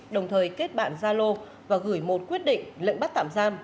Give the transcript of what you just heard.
đồng thời kết bạn gia lô và gửi một quyết định lệnh bắt tạm giam